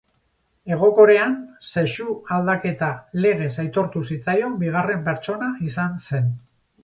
Hego Korean sexu-aldaketa legez aitortu zitzaion bigarren pertsona izan zen.